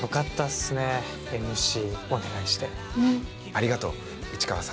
ありがとう市川さん